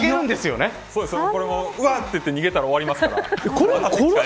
うわって言って逃げたら終わります。